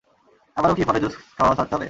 আবারও কি ফলের জুস খাওয়া ছাড়তে হবে?